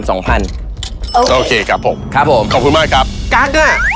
โอเคขอบคุณมากครับ